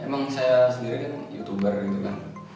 ma oci saya sendiri kan youtuber gitu kan